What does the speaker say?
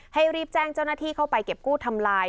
รีบแจ้งเจ้าหน้าที่เข้าไปเก็บกู้ทำลาย